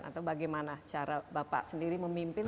atau bagaimana cara bapak sendiri memimpin